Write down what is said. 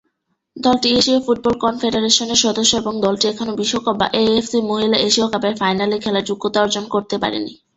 দলটি এশীয় ফুটবল কনফেডারেশনের সদস্য এবং দলটি এখনো বিশ্বকাপ বা এএফসি মহিলা এশীয় কাপের ফাইনালে খেলার যোগ্যতা অর্জন করতে পারেনি।